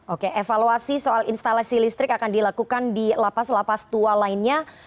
oke evaluasi soal instalasi listrik akan dilakukan di lapas lapas tua lainnya